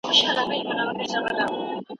د خپل شاګرد علمي مخالفت په خوشالۍ ومنه.